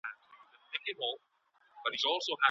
لکه یو مست خونړی دیو چې په اتڼ سر وي